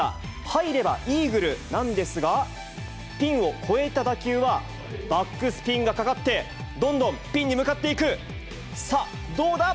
入ればイーグルなんですが、ピンを越えた打球は、バックスピンがかかって、どんどんピンに向かっていく、さあ、どうだ？